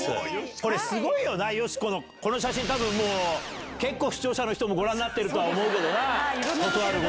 これすごいよな、よしこのな、この写真、たぶんもう、結構視聴者の人もご覧になってるとは思うけどな。